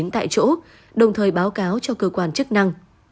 tại chỗ đồng thời báo cáo cho cơ quan chức năng